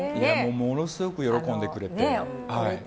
ものすごく喜んでくれて。